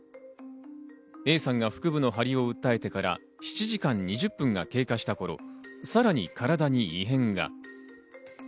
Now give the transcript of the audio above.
Ａさんが腹部の張りを訴えてから７時間２０分が経過した頃、さらに体に異変が。